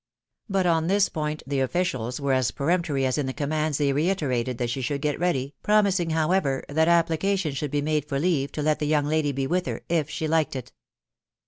But on this point the officials were as peremptory as in the commands they reiterated that she should get ready, promis ing, however, that application should be made for leave to let the young lady be with her, if she liked it.